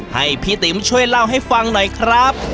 ให้พี่ติ๋มช่วยเล่าให้ฟังหน่อยครับ